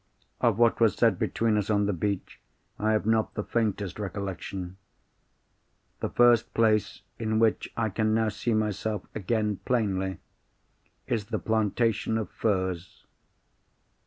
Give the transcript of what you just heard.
Of what was said between us on the beach, I have not the faintest recollection. The first place in which I can now see myself again plainly is the plantation of firs.